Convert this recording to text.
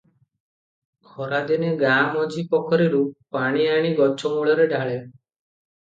ଖରାଦିନେ ଗାଁ ମଝି ପୋଖରୀରୁ ପାଣି ଆଣି ଗଛ ମୂଳରେ ଢାଳେ।